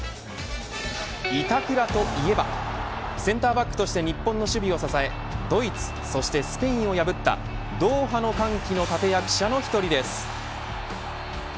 板倉といえばセンターバックとして日本の守備を支えドイツそしてスペインを破ったドーハの歓喜の立役者の１人です。